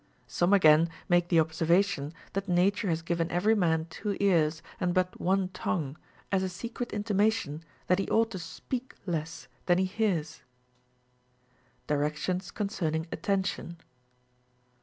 Some again make the observation, that Nature has given eA'ery man two ears and but one tongue, as a secret intima tion that he ought to speak less than he hears. Directions concerning Attention.